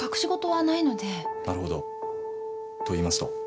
なるほど。と言いますと？